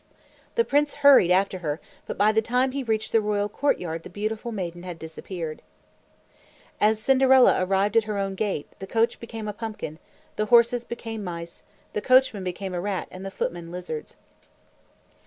The prince hurried after her, but by the time he reached the royal courtyard the beautiful maiden had disappeared. As Cinderella arrived at her own gate, the coach became a pumpkin; the horses became mice; the coachman became a rat and the footmen lizards.